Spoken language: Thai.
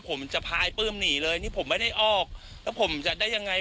ผมจะพายปลื้มหนีเลยนี่ผมไม่ได้ออกแล้วผมจะได้ยังไง